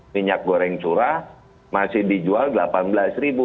minyak goreng surah masih dijual rp delapan belas